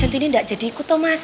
centini enggak jadi ikut mas